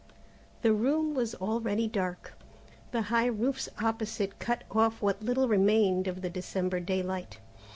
The room was already dark. The high roofs opposite cut off what little remained of the December daylight.